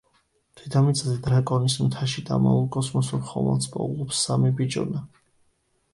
დედამიწაზე, დრაკონის მთაში დამალულ კოსმოსურ ხომალდს პოულობს სამი ბიჭუნა.